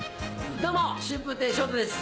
どうも春風亭昇太です